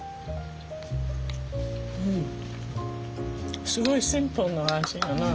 うんすごいシンプルな味やな。